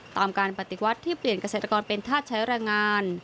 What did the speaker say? ตามการปฏิวัติที่เปลี่ยนเกษตรกรเป็นธาตุใช้แรงงาน